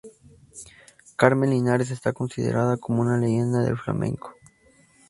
Carmen Linares está considerada como una leyenda del flamenco.